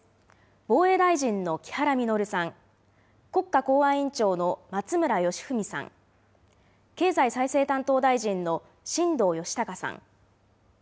防衛大臣の木原稔さん、国家公安委員長の松村祥史さん、経済再生担当大臣の新藤義孝さん。